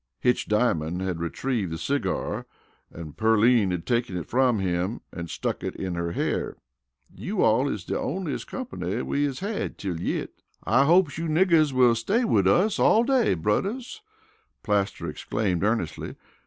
Hitch Diamond had retrieved the cigar, and Pearline had taken it from him and stuck it in her hair. "You all is de onlies' comp'ny we is had till yit." "I hopes you niggers will stay wid us all day, brudders," Plaster exclaimed earnestly.